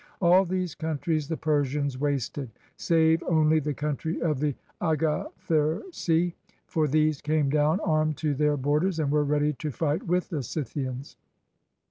All these countries the Persians wasted, save only the country of the Agathyrsi; for these came down armed to their borders, and were ready to fight with the Scythians.